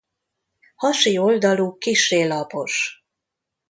Hasi oldaluk kissé lapos.